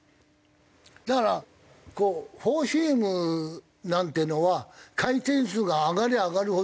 だからこうフォーシームなんていうのは回転数が上がりゃ上がるほど球が沈まない。